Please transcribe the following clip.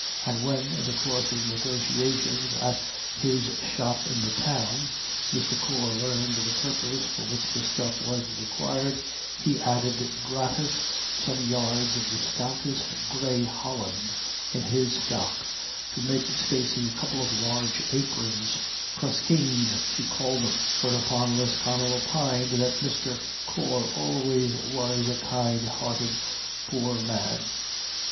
And when, in the course of the negotiations at his shop in the Town, Mr. Corr learned the purpose for which the stuff was required, he added gratis some yards of the stoutest grey holland in his stock to make Stacey a couple of large aprons — praskeens she called them. Whereupon Lisconnel opined that Mr. Corr always was a kind hearted poor man.